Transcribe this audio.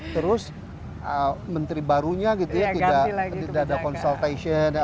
terus menteri barunya gitu ya tidak ada consultation